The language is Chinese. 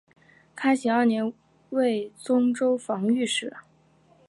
开禧二年为忠州防御使。